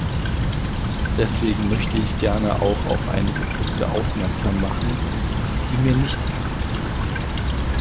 Deswegen möchte ich gerne auch auf einige Punkte aufmerksam machen, die mir nicht passen.